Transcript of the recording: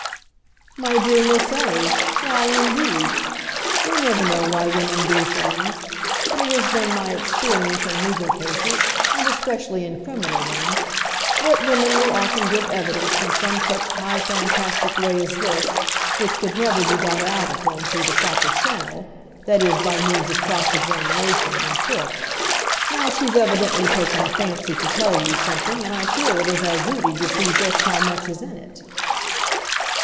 "My dear Miss Ellie, why indeed? We never know why women do things. But it has been my experience in legal cases, and especially in criminal ones, that women will often give evidence in some such high fantastic way as this, which could never be got out of them through the proper channel, that is by means of cross examination, in court. Now she's evidently taken a fancy to tell you something, and I feel it is our duty to see just how much is in it."